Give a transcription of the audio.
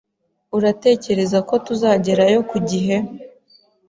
Uratekereza ko tuzagerayo ku gihe?